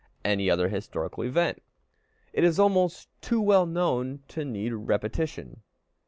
any other historical event. It is almost too well known to need repetition.